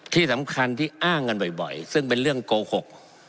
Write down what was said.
ที่สำคัญที่อ้างกันบ่อยซึ่งเป็นเรื่องโกหก